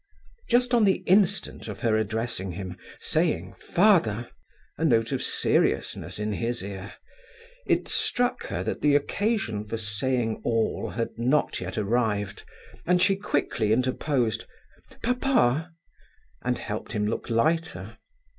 Just on the instant of her addressing him, saying: "Father," a note of seriousness in his ear, it struck her that the occasion for saying all had not yet arrived, and she quickly interposed: "Papa"; and helped him to look lighter.